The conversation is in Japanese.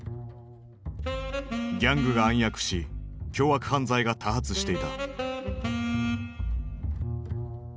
ギャングが暗躍し凶悪犯罪が多発していた。